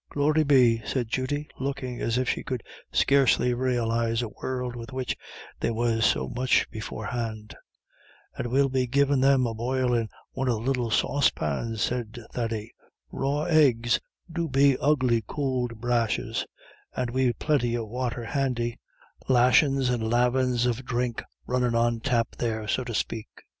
"Glory be!" said Judy, looking as if she could scarcely realise a world with which they were so much beforehand. "And we'll be givin' them a boil in a one of the little saucepans," said Thady. "Raw eggs do be ugly could brashes, and we've plinty of wather handy lashins and lavins of dhrink runnin' on tap there, so to spake."